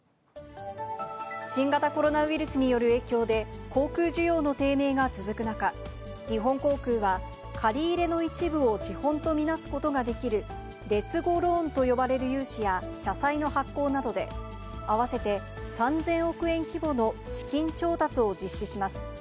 新型コロナウイルスによる影響で、航空需要の低迷が続く中、日本航空は、借り入れの一部を資本と見なすことができる劣後ローンと呼ばれる融資や社債の発行などで、合わせて３０００億円規模の資金調達を実施します。